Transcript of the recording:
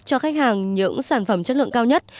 cho khách hàng những sản phẩm chất lượng cao nhất